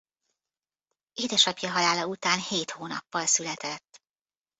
Édesapja halála után hét hónappal született.